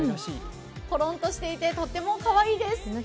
コロンとしていて、とてもかわいいです。